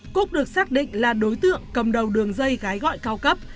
cúc được xác định là đối tượng cầm đầu đường dây gái gọi cao cấp